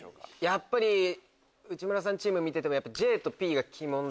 やっぱり内村さんチーム見てても。